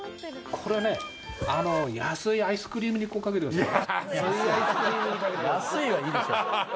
「安いアイスクリームにかけてください」